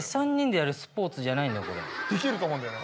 できると思うんだよね。